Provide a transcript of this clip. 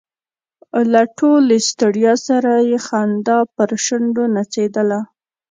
له ټولې ستړیا سره یې خندا پر شونډو نڅېدله.